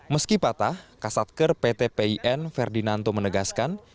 meski patah kasatker pt pin ferdinando menegaskan